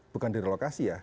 bukan di relokasi ya